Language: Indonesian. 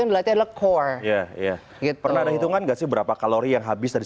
yang dilatih adalah core ya pernah ada hitungan gak sih berapa kalori yang habis dari